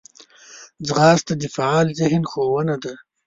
ځغاسته د فعال ذهن ښوونه ده